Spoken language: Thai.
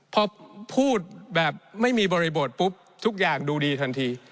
พอพูดแบบไม่มีบริบทปุ๊บทุกอย่างดูดีทันที